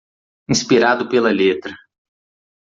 Inspirado pela letra